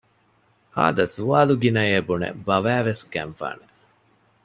ހާދަ ސުވާލުގިނައޭ ބުނެ ބަވައިވެސް ގެންފާނެ